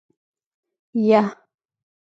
يه.